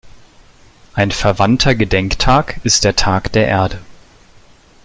Ein verwandter Gedenktag ist der Tag der Erde.